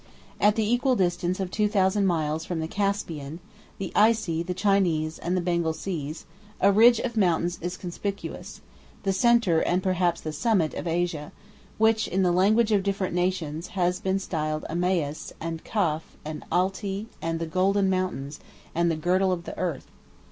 At the equal distance of two thousand miles from the Caspian, the Icy, the Chinese, and the Bengal Seas, a ridge of mountains is conspicuous, the centre, and perhaps the summit, of Asia; which, in the language of different nations, has been styled Imaus, and Caf, 23 and Altai, and the Golden Mountains, 2311 and the Girdle of the Earth.